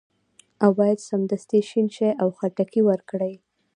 او باید سمدستي شین شي او خټکي ورکړي.